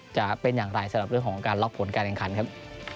จะเป็นอย่างไรสำหรับเรื่องของการล็อกผลการแข่งขันครับ